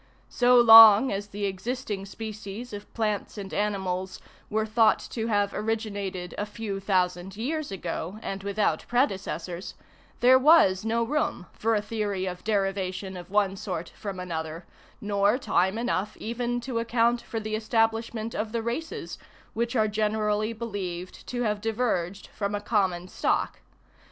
So long as the existing species of plants and animals were thought to have originated a few thousand years ago and without predecessors, there was no room for a theory of derivation of one sort from another, nor time enough even to account for the establishment of the races which are generally believed to have diverged from a common stock.